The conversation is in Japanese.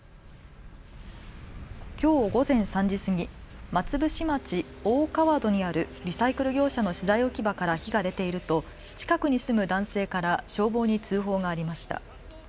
きょう午前３時過ぎ、松伏町大川戸にあるリサイクル業者の資材置き場から火が出ていると近くに住む男性から消防に通報がありました。